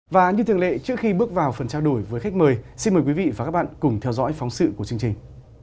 và như thường lệ trước khi bước vào phần trao đổi với khách mời xin mời quý vị và các bạn cùng theo dõi phóng sự của chương trình